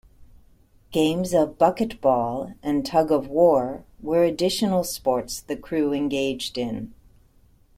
Games of 'Bucket ball' and tug-of-war were additional sports the crew engaged in.